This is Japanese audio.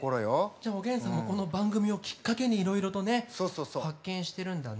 じゃあおげんさんもこの番組をきっかけにいろいろとね発見してるんだね。